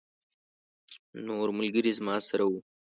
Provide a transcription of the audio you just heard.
نور ملګري زما سره وو.